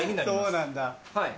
そうなんだ。